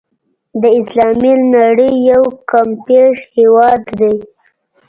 د اسلامي نړۍ یو کمپېښ هېواد دی.